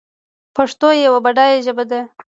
پښتو یوه بډایه ژبه ده.